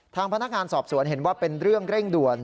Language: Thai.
ทางพนักงานสอบสวนเห็นว่าเป็นเรื่องเร่งด่วน